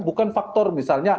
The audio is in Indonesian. bukan faktor misalnya